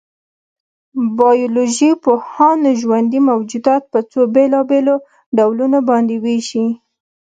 بایولوژيپوهان ژوندي موجودات په څو بېلابېلو ډولونو باندې وېشي.